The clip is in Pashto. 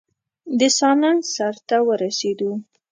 د سالنګ سر ته ورسېدو.